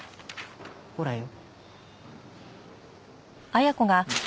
ほらよ。